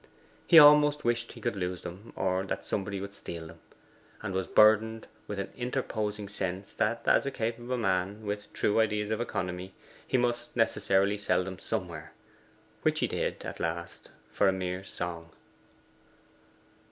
He almost wished he could lose them, or that somebody would steal them, and was burdened with an interposing sense that, as a capable man, with true ideas of economy, he must necessarily sell them somewhere, which he did at last for a mere song.